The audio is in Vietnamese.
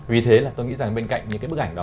vì thế là tôi nghĩ rằng bên cạnh những cái bức ảnh đó